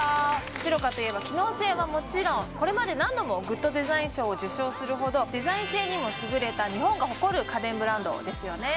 シロカといえば機能性はもちろんこれまで何度もグッドデザイン賞を受賞するほどデザイン性にも優れた日本が誇る家電ブランドですよね